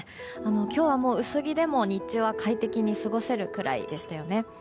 今日は薄着でも日中は快適に過ごせるくらいでしたよね。